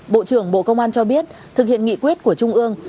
bộ trưởng bộ công an cho biết thực hiện nghị quyết của trung ương